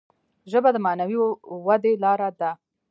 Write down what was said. ژبه د معنوي ودي لاره ده.